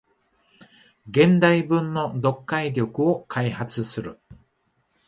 現代文の読解力を開発する